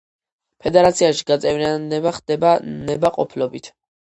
ფედერაციაში გაწევრიანება ხდება ნებაყოფლობით.